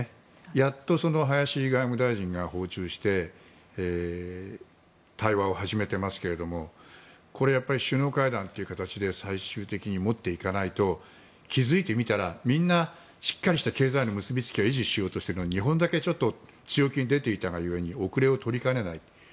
やっと林外務大臣が訪中して対話を始めてますけどもこれ、首脳会談という形で最終的に持っていかないと気付いてみたら、みんなしっかりした経済の結びつきは維持しようとしているのに日本だけ強気に出ていたが故に後れを取りかねない。